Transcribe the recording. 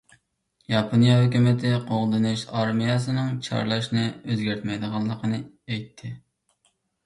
ياپونىيە ھۆكۈمىتى قوغدىنىش ئارمىيەسىنىڭ چارلاشنى ئۆزگەرتمەيدىغانلىقىنى ئېيتتى.